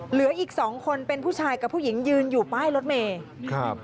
เหลืออีกสองคนเป็นผู้ชายกับผู้หญิงยืนอยู่ป้ายรถเมย์ครับ